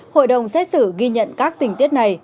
hội đồng xét xử ghi nhận các tình tiết này